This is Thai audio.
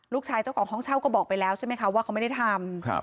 เจ้าของห้องเช่าก็บอกไปแล้วใช่ไหมคะว่าเขาไม่ได้ทำ